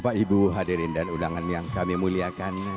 bapak ibu hadirin dan undangan yang kami muliakan